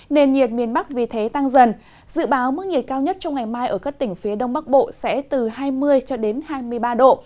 nền nhiệt miền bắc vì thế tăng dần dự báo mức nhiệt cao nhất trong ngày mai ở các tỉnh phía đông bắc bộ sẽ từ hai mươi hai mươi ba độ